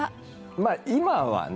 まあ今はね